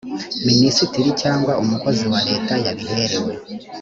minisitiri cyangwa umukozi wa leta yabihereye